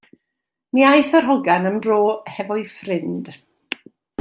Mi aeth yr hogan am dro hefo'i ffrind.